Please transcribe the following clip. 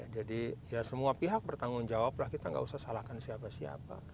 jadi semua pihak bertanggung jawab kita enggak usah salahkan siapa siapa